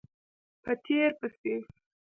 په تېر پسې